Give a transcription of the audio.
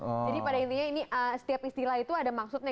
jadi pada intinya ini setiap istilah itu ada maksudnya